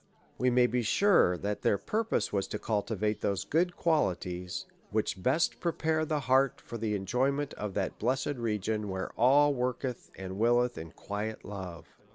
We may be sure that their purpose was to cultivate those good qualities, which best prepare the heart for the enjoyment of that blessed region, " where all worketh and willeth in quiet love."